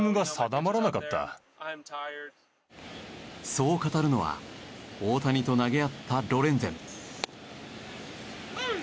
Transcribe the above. そう語るのは大谷と投げ合ったロレンゼン。